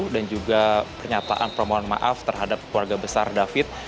dan juga pernyataan permohon maaf terhadap keluarga besar david